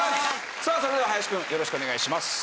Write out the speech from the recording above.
さあそれでは林くんよろしくお願いします。